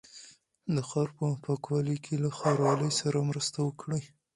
د ښار په پاکوالي کې له ښاروالۍ سره مرسته وکړئ.